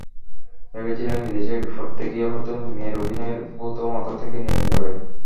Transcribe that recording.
ভেবেছিলেন বিদেশে পড়তে গিয়ে হয়তো মেয়ের অভিনয়ের ভূত মাথা থেকে নেমে যাবে।